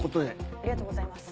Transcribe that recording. ありがとうございます。